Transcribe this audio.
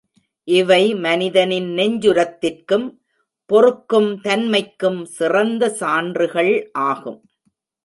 இவை மனிதனின் நெஞ்சுரத்திற்கும் பொறுக்கும் தன் மைக்கும் சிறந்த சான்றுகள் ஆகும்.